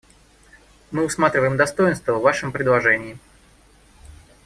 Мы усматриваем достоинства в вашем предложении.